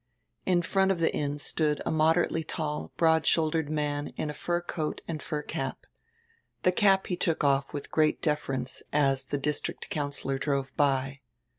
In front of die inn stood a moderately tall, broad shouldered man in a fur coat and a fur cap. The cap he took off widi great deference as die District Councillor drove by.